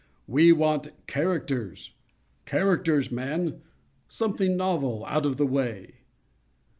We want characters—characters, man—something novel—out of the way.